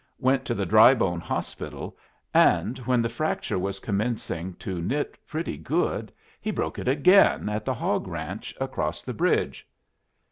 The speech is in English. Went to the Drybone Hospital, and when the fracture was commencing to knit pretty good he broke it again at the hog ranch across the bridge.